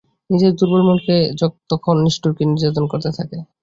নিজের দুর্বল মনকে তখন নিষ্ঠুরভাবে নির্যাতন করতে থাকে।